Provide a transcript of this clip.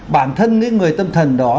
bản thân những người tâm thần đó